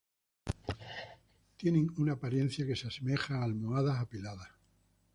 Tienen una apariencia que se asemeja a almohadas apiladas.